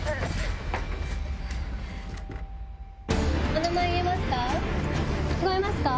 お名前言えますか？